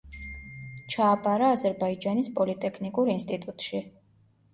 ჩააბარა აზერბაიჯანის პოლიტექნიკურ ინსტიტუტში.